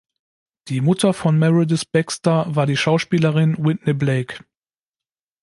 Die Mutter von Meredith Baxter war die Schauspielerin Whitney Blake.